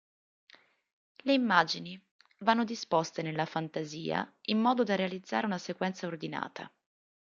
Le immagini vanno disposte nella fantasia in modo da realizzare una sequenza ordinata.